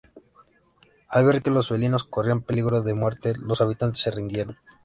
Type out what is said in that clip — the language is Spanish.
Al ver que los felinos corrían peligro de muerte, los habitantes se rindieron.